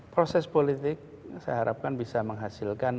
proses politik saya harapkan bisa menghasilkan